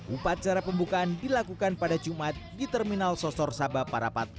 upacara pembukaan dilakukan pada jumat di terminal sosor saba parapat